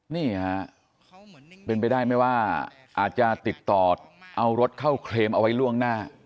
นี่ฮะเป็นไปได้ไหมว่าอาจจะติดต่อเอารถเข้าเครมเอาไว้ล่วงหน้า